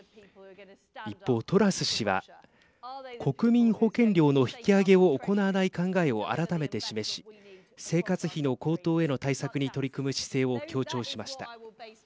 一方、トラス氏は国民保険料の引き上げを行わない考えを改めて示し生活費の高騰への対策に取り組む姿勢を強調しました。